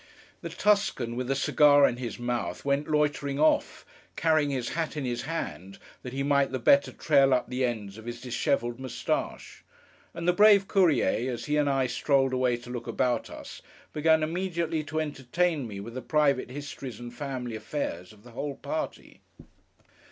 The Tuscan, with a cigar in his mouth, went loitering off, carrying his hat in his hand that he might the better trail up the ends of his dishevelled moustache. And the brave Courier, as he and I strolled away to look about us, began immediately to entertain me with the private histories and family affairs of the whole party.